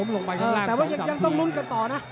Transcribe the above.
แต่ว่ายังต้องลุ้นกันต่อนะ